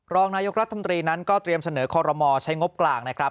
รองนายกรัฐมนตรีนั้นก็เตรียมเสนอคอรมอใช้งบกลางนะครับ